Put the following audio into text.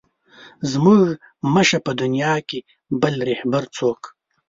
زموږ مه شه په دنیا کې بل رهبر څوک.